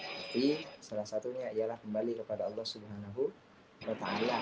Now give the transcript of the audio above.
tapi salah satunya ialah kembali kepada allah swt